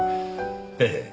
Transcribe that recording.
ええ。